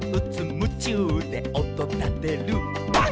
むちゅうでおとたてるパン！」